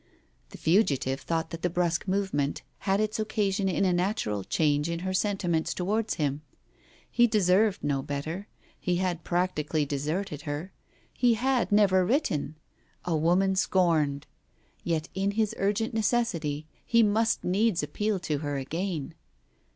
... The fugitive thought that the brusque movement had its occasion in a natural change in her sentiments towards himself. He deserved no better, he had practically deserted her, he had never written — a woman scorned !... Yet in his urgent necessity he must needs appeal to her again.